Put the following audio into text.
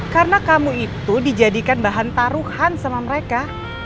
karena kamu itu dijadikan bahan taruhan sama mereka